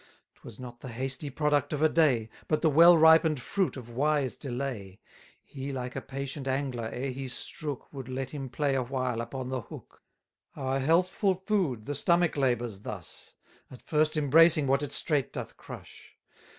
'Twas not the hasty product of a day, But the well ripen'd fruit of wise delay. 170 He, like a patient angler, ere he strook, Would let him play a while upon the hook. Our healthful food the stomach labours thus, At first embracing what it straight doth crush.